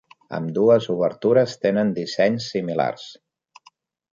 Ambdues obertures tenen dissenys similars.